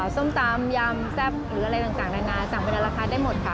ส้มตำยำแซ่บหรืออะไรต่างนานาสั่งไปในราคาได้หมดค่ะ